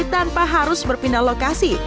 tanpa harus berpindah lokasi